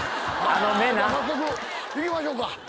早速いきましょうか。